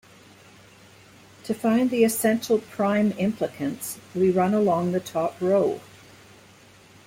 To find the essential prime implicants, we run along the top row.